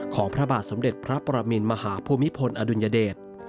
พระบาทสมเด็จพระปรมินมหาภูมิพลอดุลยเดช